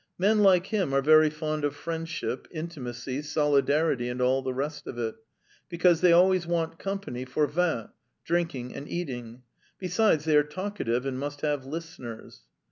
Men like him are very fond of friendship, intimacy, solidarity, and all the rest of it, because they always want company for vint, drinking, and eating; besides, they are talkative and must have listeners.